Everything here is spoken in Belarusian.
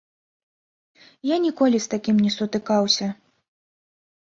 Я ніколі з такім не сутыкаўся.